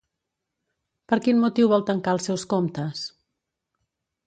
Per quin motiu vol tancar els seus comptes?